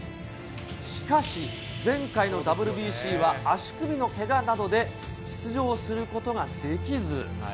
しかし、前回のＷＢＣは、足首のけがなどで出場することができず。